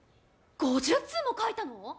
５０通も書いたの？